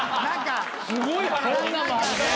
すごい話！